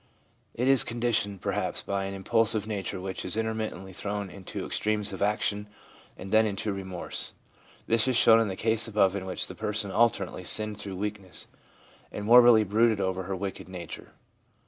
It is conditioned, perhaps, by an impulsive nature which is intermittently thrown into extremes of action and then into remorse. This is shown in the case above in which the person alternately sinned through weakness, and morbidly brooded over her wicked nature.